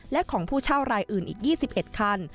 และของผู้เช่ารายอื่นอีก๒๑คัน